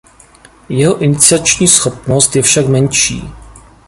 Jeho iniciační schopnost je však menší.